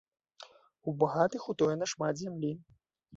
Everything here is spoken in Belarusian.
У багатых утоена шмат зямлі.